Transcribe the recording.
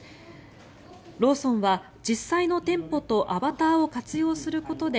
ローソンは実際の店舗とアバターを活用することで